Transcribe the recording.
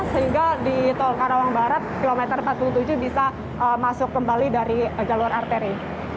sehingga di tol karawang barat kilometer empat puluh tujuh bisa masuk kembali dari jalur arteri